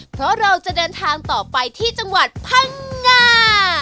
เพราะเราจะเดินทางต่อไปที่จังหวัดพังงา